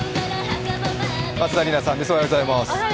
松田里奈さんです。